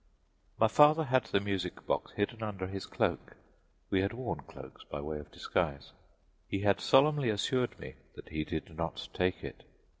My father had the music box hidden under his cloak; we had worn cloaks by way of disguise. He had solemnly assured me that he did not take it.